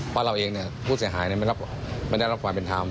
เพราะเราเองผู้เสียหายไม่ได้รับความเป็นธรรม